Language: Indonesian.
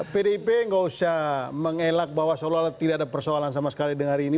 pdip nggak usah mengelak bahwa seolah olah tidak ada persoalan sama sekali dengan hari ini